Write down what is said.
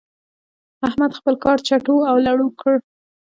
احمد خپل کار چټو او لړو کړ.